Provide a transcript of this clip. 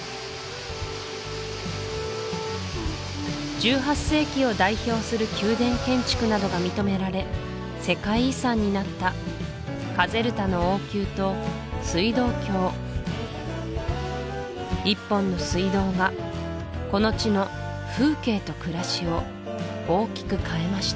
１８世紀を代表する宮殿建築などが認められ世界遺産になったカゼルタの王宮と水道橋一本の水道がこの地の風景と暮らしを大きく変えました